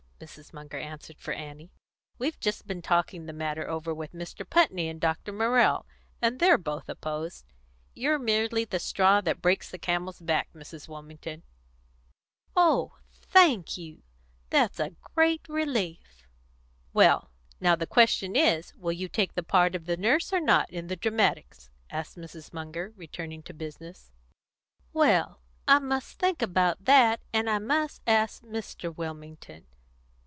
Mrs. Munger answered for Annie. "We've just been talking the matter over with Mr. Putney and Dr. Morrell, and they're both opposed. You're merely the straw that breaks the camel's back, Mrs. Wilmington." "Oh, thank you! That's a great relief." "Well and now the question is, will you take the part of the Nurse or not in the dramatics?" asked Mrs. Munger, returning to business. "Well, I must think about that, and I must ask Mr. Wilmington.